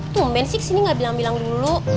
tumben sih kesini gak bilang bilang dulu